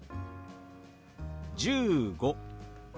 １５。